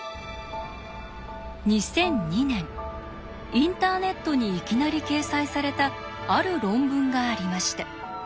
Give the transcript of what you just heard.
インターネットにいきなり掲載されたある論文がありました。